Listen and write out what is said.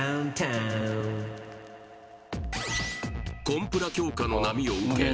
コンプラ強化の波を受け